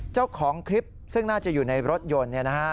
เจ้าของคลิปซึ่งน่าจะอยู่ในรถยนต์